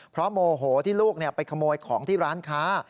เพราะโมโหที่ลูกไปขโมยของที่ร้านค้า